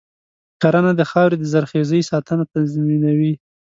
کرنه د خاورې د زرخیزۍ ساتنه تضمینوي.